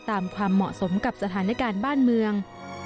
ความเหมาะสมกับสถานการณ์บ้านเมือง